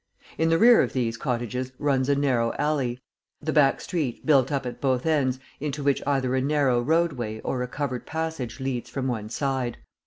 In the rear of these cottages runs a narrow alley, the back street, built up at both ends, into which either a narrow roadway or a covered passage leads from one side.